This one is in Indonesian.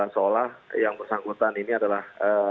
seolah yang bersangkutan ini adalah